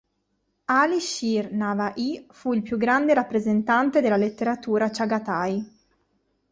Ali-Shir Nava'i fu il più grande rappresentante della letteratura chagatai.